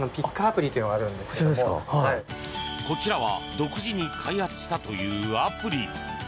こちらは独自に開発したというアプリ。